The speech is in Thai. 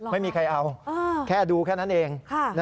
ไม่มีใครเอาแค่ดูแค่นั้นเอง